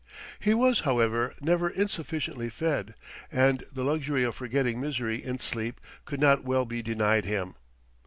He was, however, never insufficiently fed; and the luxury of forgetting misery in sleep could not well be denied him.